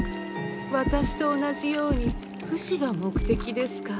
私と同じようにフシが目的ですか？